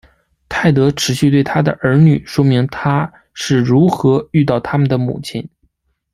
泰德持续对他的儿女说明他是如何遇到他们的母亲。